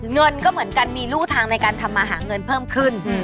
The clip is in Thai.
เงินก็เหมือนกันมีรูทางในการทำมาหาเงินเพิ่มขึ้น